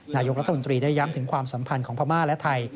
นายกรัฐมนตรีได้ย้ำถึงความสัมพันธ์ของพม่าและไทย